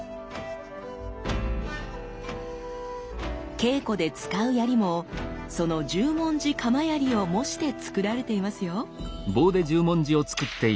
稽古で使う槍もその十文字鎌槍を模してつくられていますよ。